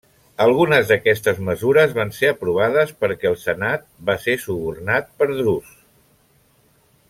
Algunes d'aquestes mesures van ser aprovades perquè el senat va ser subornat per Drus.